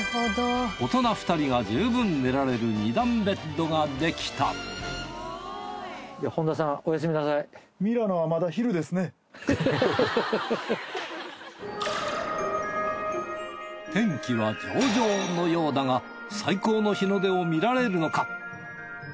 大人２人が十分寝られる２段ベッドができた天気は上々のようだが最高の日の出を見られるのか。